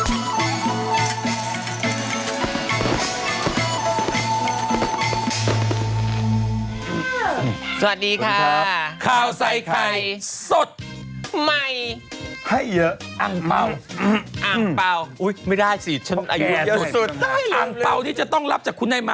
อุ้ยไม่ได้สิฉันอายุเยอะสุดได้เลยอ่างเปล่าที่จะต้องรับจากคุณนายมา